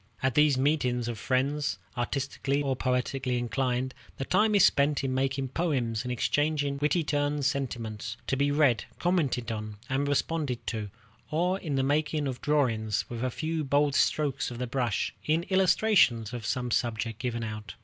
At these meetings of friends, artistically or poetically inclined, the time is spent in making poems and exchanging wittily turned sentiments, to be read, commented on, and responded to; or in the making of drawings, with a few bold strokes of the brush, in illustration of some subject given out.